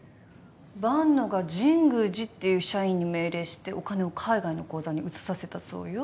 万野が神宮寺っていう社員に命令してお金を海外の口座に移させたそうよ。